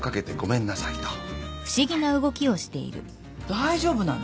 大丈夫なの？